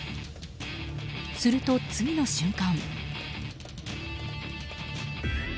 すると、次の瞬間。